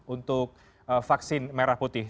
untuk vaksin merah putih